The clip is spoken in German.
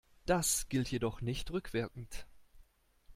Das gilt jedoch nicht rückwirkend.